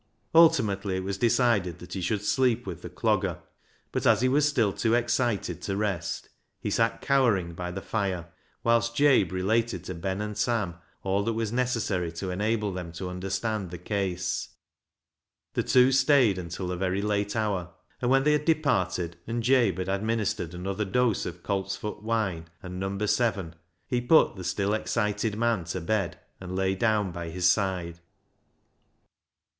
Ultimately it was decided that he should sleep with the C logger, but as he was still too excited to rest, he sat cowering by the fire, whilst Jabe related to Ben and Sam all that was necessary to enable them to understand the case. The two stayed until a very late hour, and when they had departed, and Jabe had administered another dose of coltsfoot wine and " Number Seven," he put the still excited man to bed, and lay down by his side.